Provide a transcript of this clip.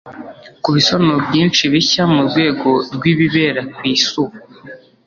ku bisobanuro byinshi bishya mu rwego rwibibera ku isi ubu